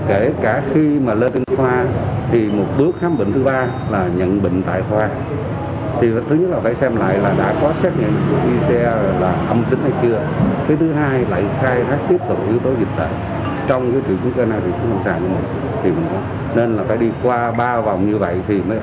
nên là phải đi qua ba vòng như vậy thì mới ở được là đồng ý